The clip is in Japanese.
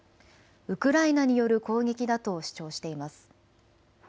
ウクライナによる攻撃だと主張しています。